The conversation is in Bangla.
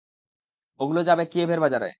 ওগুলো যাবে কিয়েভ-এর বাজারে।